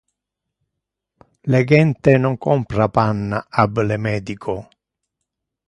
Le gente non compra pan ab le medico.